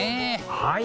はい。